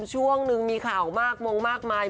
ช่วงนึงมีข่าวมากมงมากมาย